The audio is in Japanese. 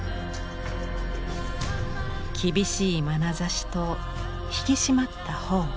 厳しいまなざしと引き締まった頬。